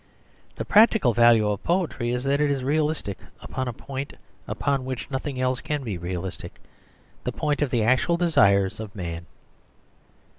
The practical value of poetry is that it is realistic upon a point upon which nothing else can be realistic, the point of the actual desires of man.